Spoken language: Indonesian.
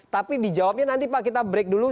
tapi dijawabnya nanti pak kita break dulu